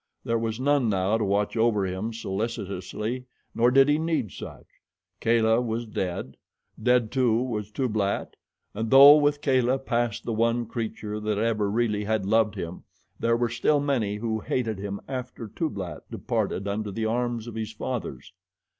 There was none now to watch over him, solicitously, nor did he need such. Kala was dead. Dead, too, was Tublat, and though with Kala passed the one creature that ever really had loved him, there were still many who hated him after Tublat departed unto the arms of his fathers.